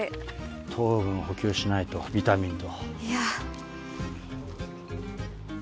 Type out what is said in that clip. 糖分補給しないとビタミンと。